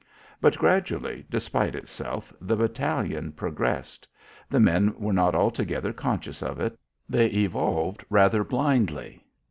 But, gradually, despite itself, the battalion progressed. The men were not altogether conscious of it. They evolved rather blindly.